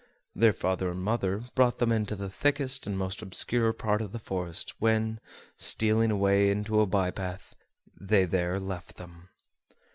Their father and mother brought them into the thickest and most obscure part of the forest, when, stealing away into a by path, they there left them.